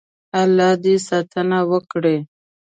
الله دې ساتنه وکړي.